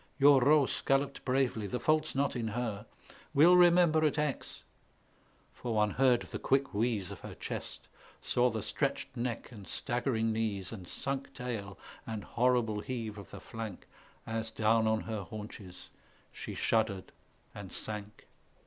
Your Roos galloped bravely, the fault's not in her; "We'll remember at Aix" for one heard the quick wheeze Of her chest, saw the stretched neck and staggering knees, And sunk tail, and horrible heave of the flank, As down on her haunches she shuddered and sank.